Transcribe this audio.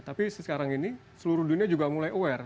tapi sekarang ini seluruh dunia juga mulai aware